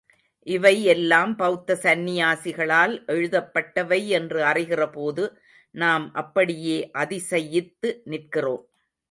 இவை எல்லாம் பௌத்த சந்நியாசிகளால் எழுதப்பட்டவை என்று அறிகிறபோது நாம் அப்படியே அதிசயித்து நிற்கிறோம்.